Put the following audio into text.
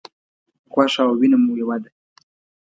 غوښه او وینه مو یوه ده.